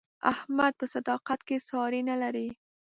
احمد په صداقت کې ساری نه لري.